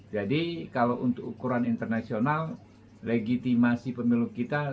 jadi kalau untuk ukuran internasional legitimasi pemilu kita